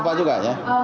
pak juga ya